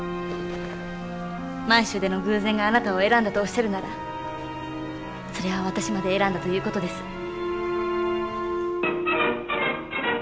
満洲での偶然があなたを選んだとおっしゃるならそれは私まで選んだということです。